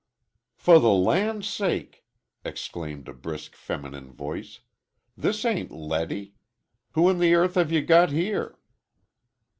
"For the land sake!" exclaimed a brisk feminine voice, "this ain't Letty! Who in the earth have you got here?"